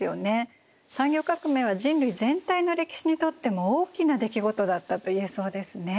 産業革命は人類全体の歴史にとっても大きな出来事だったと言えそうですね。